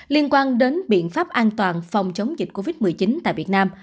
liên quan đến biện pháp an toàn phòng chống dịch covid một mươi chín tại việt nam